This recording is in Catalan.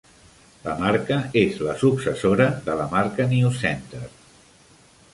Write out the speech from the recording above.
La marca és la successora de la marca NewsCenter.